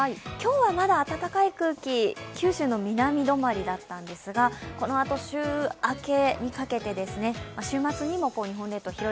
今日はまだ暖かい空気、九州の南止まりだったんですがこのあと週明けにかけて週末にも日本列島